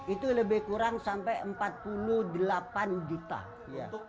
itu lebih kurang sampai empat puluh delapan juta